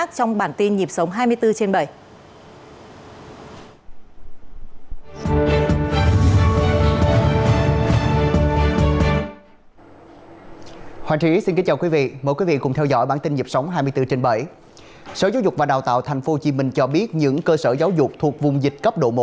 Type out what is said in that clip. trong bản tin dịp sống hai mươi bốn trên bảy sở giáo dục và đào tạo tp hcm cho biết những cơ sở giáo dục thuộc vùng dịch cấp độ một